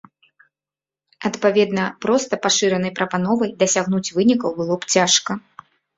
Адпаведна, проста пашыранай прапановай дасягнуць вынікаў было б цяжка.